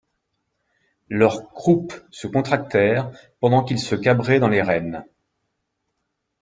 Leurs croupes se contractèrent, pendant qu'ils se cabraient dans les rênes.